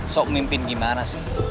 sok memimpin gimana sih